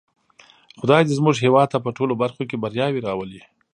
خدای دې زموږ هېواد ته په ټولو برخو کې بریاوې راولی.